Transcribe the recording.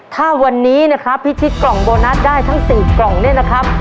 ถ้าวันนี้นะครับพิชิตกล่องโบนัสได้ทั้ง๔กล่องเนี่ยนะครับ